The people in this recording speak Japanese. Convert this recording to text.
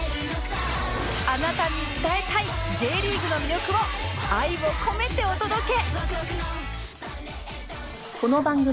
あなたに伝えたい Ｊ リーグの魅力を愛を込めてお届け！